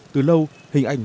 từ lâu hình ảnh